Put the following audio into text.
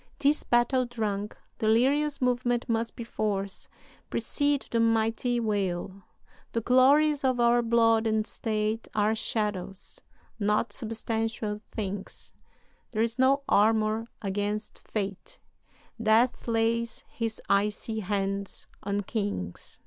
"This battle drunk, delirious movement must perforce precede the mighty wail "'The glories of our blood and state Are shadows, not substantial things; There is no armor against fate; Death lays his icy hands on kings.'"